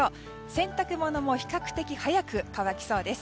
洗濯物も比較的早く乾きそうです。